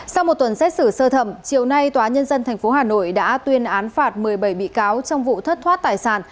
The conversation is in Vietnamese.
sau một tuần xét xử sơ thẩm chiều nay tòa nhân dân tp hà nội đã tuyên án phạt một mươi bảy bị cáo trong vụ thất thoát tài sản